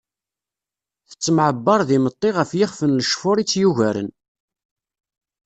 Tettemɛebbar d imeṭṭi ɣef yixef n lecfur itt-yugaren.